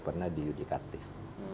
pernah di yudikatif